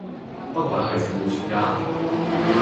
不愧係整蠱專家